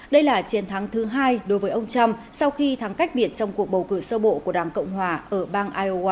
đây là chiến thắng thứ hai đối với ông trump sau khi thắng cách biệt trong cuộc bầu cử sơ bộ của đảng cộng hòa ở bang iowa